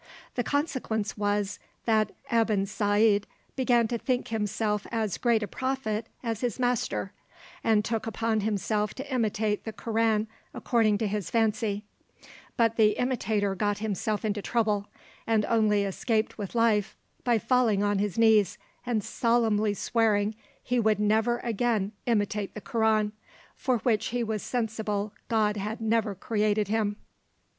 The consequence was, that Ebn Saad began to think himself as great a prophet as his master, and took upon himself to imitate the Koran according to his fancy; but the imitator got himself into trouble, and only escaped with life by falling on his knees, and solemnly swearing he would never again imitate the Koran, for which he was sensible God had never created him.